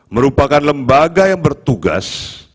merupakan lembaga yang bertugas